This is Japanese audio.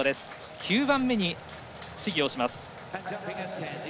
９番目に試技をします。